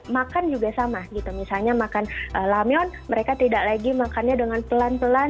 makan juga sama gitu misalnya makan lamion mereka tidak lagi makannya dengan pelan pelan